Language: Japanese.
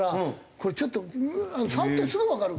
これちょっと触ったらすぐわかるから。